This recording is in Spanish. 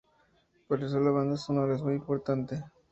Por eso, la banda sonora es muy importante.